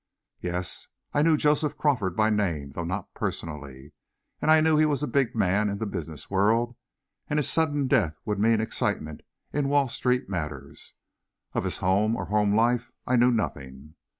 Yes; I knew Joseph Crawford by name, though not personally, and I knew he was a big man in the business world, and his sudden death would mean excitement in Wall Street matters. Of his home, or home life, I knew nothing.